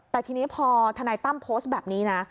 แต่ทีนี้พอทนายตั้มโพสต์แบบนี้นะ